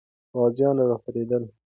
غازیان راپارېدل.